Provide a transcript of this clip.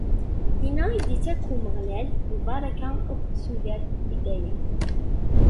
Dinna i d-ittak Umeɣlal lbaraka akked tudert i dayem.